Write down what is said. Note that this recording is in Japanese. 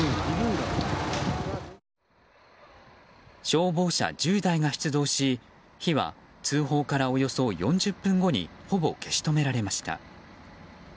消防車１０台が出動し火は通報からおよそ４０分後にほぼ消し止められました。